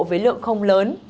với lượng không lớn